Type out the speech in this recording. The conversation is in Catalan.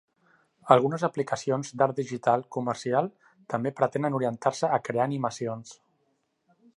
Algunes aplicacions d'art digital comercial també pretenen orientar-se a crear animacions.